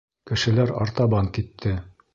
Кешеләр артабан китте.